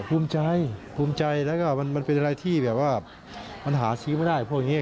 ภูมิใจแล้วก็มันเป็นอะไรที่แบบว่ามันหาซื้อไม่ได้พวกนี้